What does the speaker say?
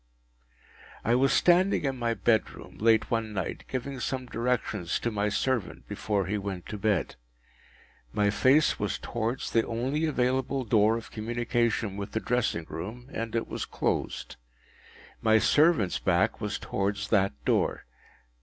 I was standing in my bedroom late one night, giving some directions to my servant before he went to bed. My face was towards the only available door of communication with the dressing room, and it was closed. My servant’s back was towards that door.